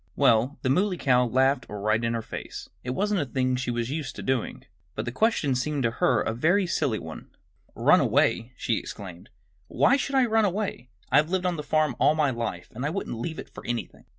Well, the Muley Cow laughed right in her face. It wasn't a thing she was used to doing. But the question seemed to her a very silly one. "Run away!" she exclaimed. "Why should I run away? I've lived on the farm all my life and I wouldn't leave it for anything."